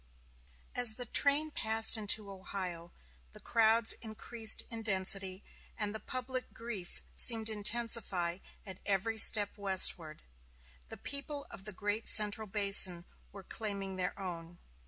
As the train passed into Ohio, the crowds increased in density, and the public grief seemed intensified at every step westward. The people of the great central basin were claiming their own.